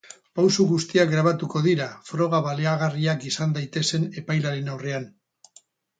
Pauso guztiak grabatuko dira, froga baliagarriak izan daitezen epailearen aurrean.